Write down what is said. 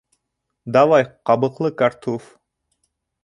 Давай ҡабыҡлы картуф!